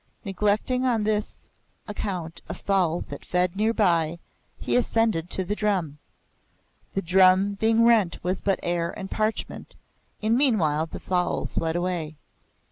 Neglecting on this account a fowl that fed near by, he ascended to the drum. The drum being rent was but air and parchment, and meanwhile the fowl fled away.